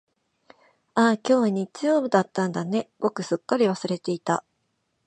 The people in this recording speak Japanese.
ああ、今日は日曜だったんだね、僕すっかり忘れていた。